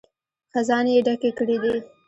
خزانې یې ډکې کړې دي.